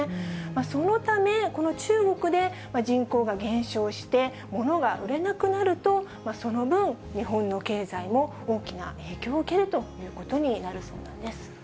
そのため、この中国で人口が減少して、物が売れなくなると、その分、日本の経済も大きな影響を受けるということになるそうなんです。